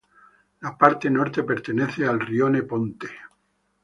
La parte norte pertenece al rione Ponte.